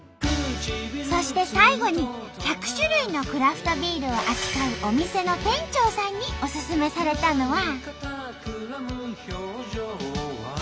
そして最後に１００種類のクラフトビールを扱うお店の店長さんにおすすめされたのは。